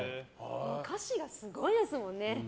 歌詞がすごいですよね。